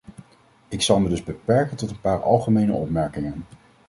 Ik zal me dus beperken tot een paar algemene opmerkingen.